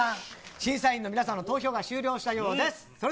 審査員の投票が終了したようです。